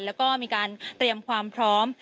แล้วก็มีการเตรียมความพร้อม